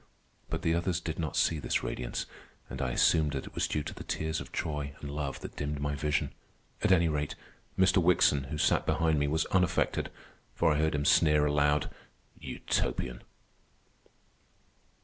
But the others did not see this radiance, and I assumed that it was due to the tears of joy and love that dimmed my vision. At any rate, Mr. Wickson, who sat behind me, was unaffected, for I heard him sneer aloud, "Utopian."